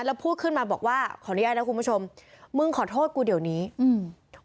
แล้วพูดขึ้นมาบอกว่าขออนุญาตนะคุณผู้ชมมึงขอโทษกูเดี๋ยวนี้อืม